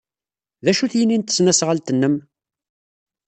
D acu-t yini n tesnasɣalt-nnem?